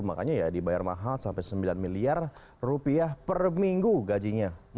makanya ya dibayar mahal sampai sembilan miliar rupiah per minggu gajinya